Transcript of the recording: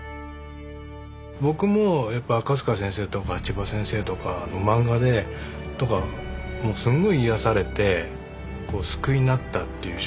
僕もやっぱ赤塚先生とかちば先生とかの漫画ですごい癒やされて救いになったっていう。